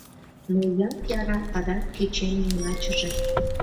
Но яп-яра адак кечемын лачыже.